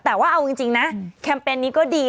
แต่ว่าเอาจริงนะแคมเปญนี้ก็ดี